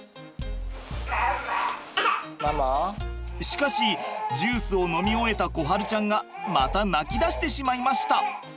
しかしジュースを飲み終えた心晴ちゃんがまた泣きだしてしまいました。